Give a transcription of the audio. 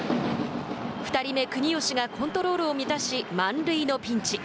２人目、国吉がコントロールを乱し満塁のピンチ。